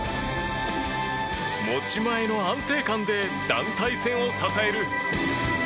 持ち前の安定感で団体戦を支える。